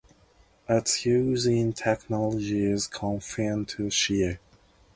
Its use in theology is confined to Shia.